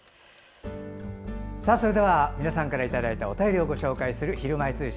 それでは皆さんからいただいたお便りをご紹介する「ひるまえ通信」